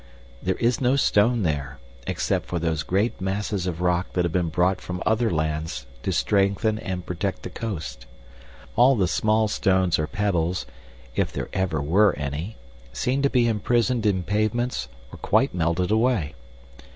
There is no stone there, except for those great masses of rock that have been brought from other lands to strengthen and protect the coast. All the small stones or pebbles, if there ever were any, seem to be imprisoned in pavements or quite melted away.